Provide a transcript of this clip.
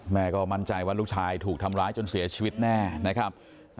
แม่ก็มั่นใจว่าลูกชายถูกทำร้ายจนเสียชีวิตแน่นะครับ